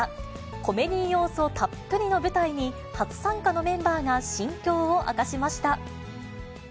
コメディー要素たっぷりの舞台に、初参加のメンバーが心境を明かしました。